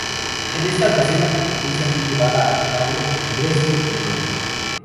En esta ocasión, la competencia fue llevada a cabo en Dresden, Alemania.